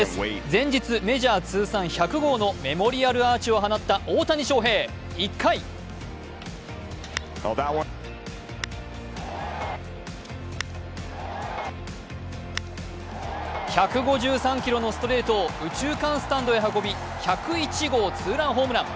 前日、メジャー通算１００号のメモリアルアーチを放った大谷翔平、１回１５３キロのストレートを右中間スタンドへ運び１０１号ツーランホームラン。